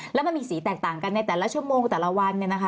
แล้วมันมีสีแตกต่างกันในแต่ละชั่วโมงแต่ละวัน